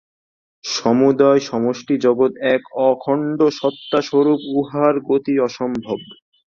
সমুদয় সমষ্টিজগৎ এক অখণ্ডসত্তাস্বরূপ, উহার গতি অসম্ভব।